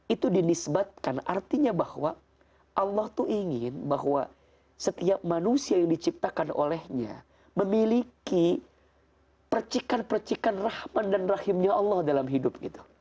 itu dinisbatkan artinya bahwa allah itu ingin bahwa setiap manusia yang diciptakan olehnya memiliki percikan percikan rahman dan rahimnya allah dalam hidup